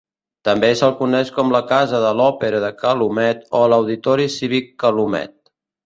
També se'l coneix com la casa de l'òpera de Calumet o l'auditori cívic Calumet.